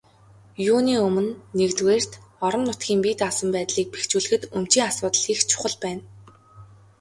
Юуны өмнө, нэгдүгээрт, орон нутгийн бие даасан байдлыг бэхжүүлэхэд өмчийн асуудал их чухал байна.